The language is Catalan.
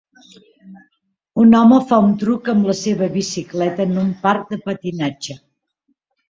Un home fa un truc amb la seva bicicleta en un parc de patinatge.